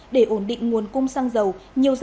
để ổn định nguồn cung xăng dầu